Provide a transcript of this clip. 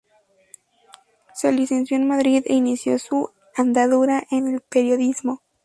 Se licenció en Madrid e inició su andadura en el periodismo.